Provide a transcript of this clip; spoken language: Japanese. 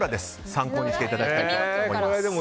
参考にしていただきたいと思います。